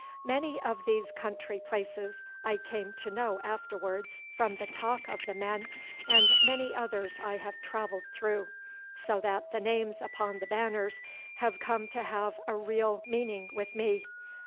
Many of these country places I came to know afterwards from the talk of the men, and many others I have travelled through, so that the names upon the banners have come to have a real meaning with me.